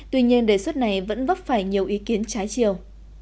tuy nhiên đề xuất này vẫn vấp phải nhiều ý kiến trái chiều